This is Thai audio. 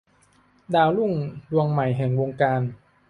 ดาวรุ่งดวงใหม่แห่งวงการ